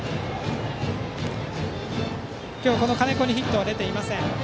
この金子にヒットは出ていません。